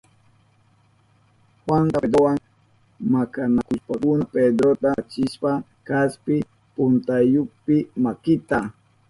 Juanka Pedrowa makanakushpankuna Pedrota urmachishpan kaspi puntayupi makinta chukrichirka.